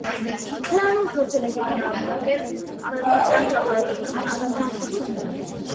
Դրանով փորձել են կրկնօրինակել արևմտյան ճարտարապետության առանձնահատկությունները։